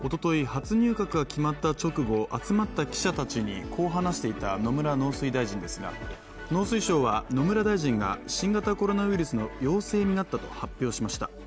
初入閣が決まった直後集まった記者たちにこう話していた野村農水大臣ですが農水省は、野村大臣が新型コロナウイルスの陽性になったと発表しました。